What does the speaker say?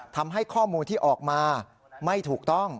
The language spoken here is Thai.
ทำให้ข้อมูลที่ออกมาไม่ถูกต้อง